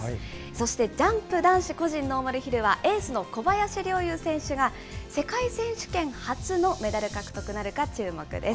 そしてジャンプ男子個人ノーマルヒルはエースの小林陵侑選手が、世界選手権初のメダル獲得なるか注目です。